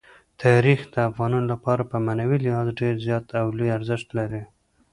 تاریخ د افغانانو لپاره په معنوي لحاظ ډېر زیات او لوی ارزښت لري.